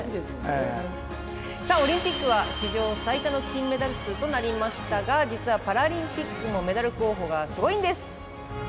さあオリンピックは史上最多の金メダル数となりましたが実はパラリンピックもメダル候補がすごいんです！